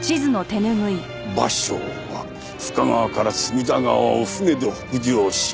芭蕉は深川から隅田川を舟で北上し